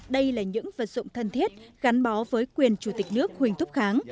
đây là những vật dụng thân thiết gắn bó với quyền chủ tịch nước huỳnh thúc kháng